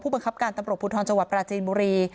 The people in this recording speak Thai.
บังคับการตำรวจภูทรจังหวัดปราจีนบุรี